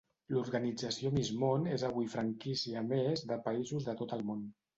L'Organització Miss Món és avui franquícia a més de països de tot el món.